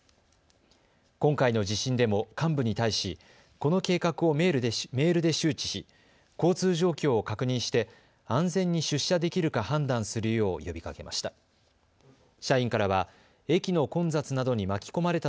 今回の地震でも幹部に対しこの計画をメールで周知し交通状況を確認して安全に出社できるか判断するよう呼びかけました。